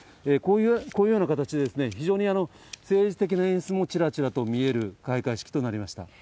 こういうような形で、非常に政治的な演出もちらちらと見える開会式となりました。